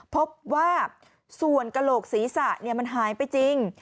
พบว่าส่วนกระโหลกศีรษะมันหายไปจริง